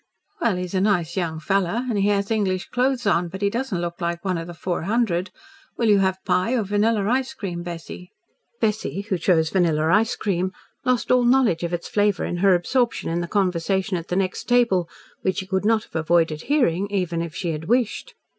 "Well, he's a nice young fellow, and he has English clothes on, but he doesn't look like one of the Four Hundred. Will you have pie or vanilla ice cream, Bessy?" Bessy who chose vanilla ice cream lost all knowledge of its flavour in her absorption in the conversation at the next table, which she could not have avoided hearing, even if she had wished.